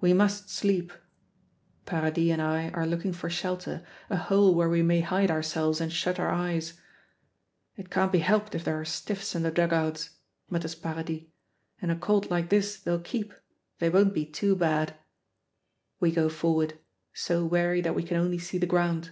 "We must sleep." Paradis and I are looking for shelter, a hole where we may hide ourselves and shut our eyes. "It can't be helped if there are stiffs in the dugouts," mutters Paradis; "in a cold like this they'll keep, they won't be too bad." We go forward, so weary that we can only see the ground.